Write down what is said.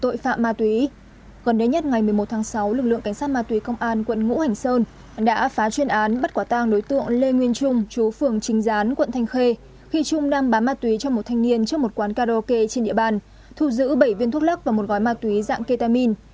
tội phạm ma túy gần đến nhất ngày một mươi một tháng sáu lực lượng cảnh sát ma túy công an quận ngũ hành sơn đã phá chuyên án bắt quả tàng đối tượng lê nguyên trung chú phường trình gián quận thanh khê khi trung đang bán ma túy cho một thanh niên trước một quán karaoke trên địa bàn thu giữ bảy viên thuốc lắc và một gói ma túy dạng ketamine